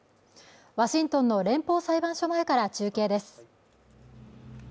ワシントンの連邦裁判所前から中継です